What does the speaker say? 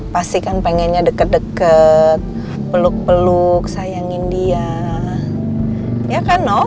pasti kan pengennya deket deket peluk peluk sayangin dia ya